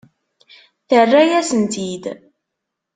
Terra-yasen-tt-id?